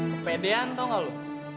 kepedean tau gak lo